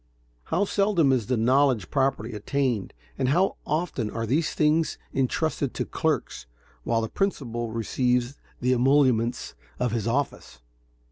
How seldom is this knowledge properly attained and how often are these things intrusted to clerks while the principal receives the emoluments of his office!